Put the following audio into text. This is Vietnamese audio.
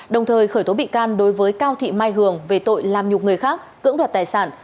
đồng thời khởi tố bị can đối với cao thị mai hường về tội làm nhục người khác cưỡng đoạt tài sản